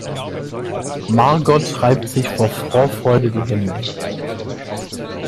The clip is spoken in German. Margot reibt sich vor Vorfreude die Hände.